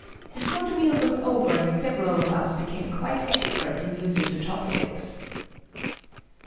Before the meal was over several of us became quite expert in using the chopsticks.